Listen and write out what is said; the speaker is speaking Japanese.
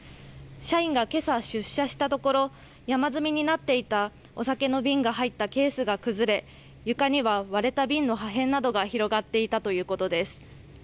社員がけさ出社したところ山積みになっていたお酒の瓶が入ったケースが崩れ床にはまだ割れた瓶の破片などが広がっていたということです。